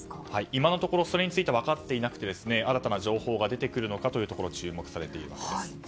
今のところ、それについては分かっていなくて新たな情報が出てくるのか注目されています。